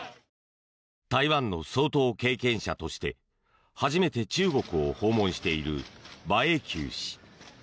台湾の総統経験者として初めて中国を訪問している馬英九氏。